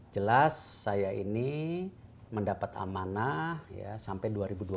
jelas saya ini mendapat amanah sampai dua ribu dua puluh empat